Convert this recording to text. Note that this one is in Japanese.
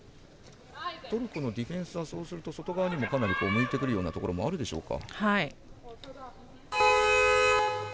トルコのディフェンスは外側にもかなり向いてくるところがあるでしょうか。